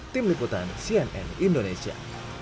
tim liputan cnn indonesia